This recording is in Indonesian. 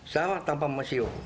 sama tanpa musiu